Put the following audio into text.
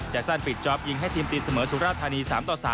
แจ็คซันปิดจ๊อปยิงให้ทีมติดเสมอสุราธารณี๓ต่อ๓